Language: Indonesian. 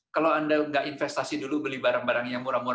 kalau anda nggak investasi dulu beli barang barang yang murah murah